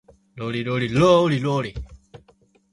ロリロリローリロリ